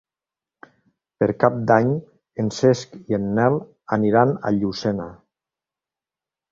Per Cap d'Any en Cesc i en Nel aniran a Llucena.